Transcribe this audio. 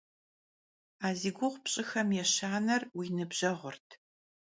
A zi guğu pş'ıxem yêşaner vui nıbjeğurt.